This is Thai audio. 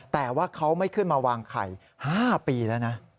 แต่ว่าเขาไม่ขึ้นมาวางไข่๕ปีแล้วนะ